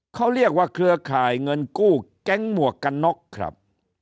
เขาเรียกว่าเครือข่ายเงินกู้แก๊งหมวกกันน็อกครับ